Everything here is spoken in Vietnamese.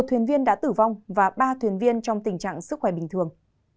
một thuyền viên đã tử vong và ba thuyền viên trong tình trạng sức khỏe bình thường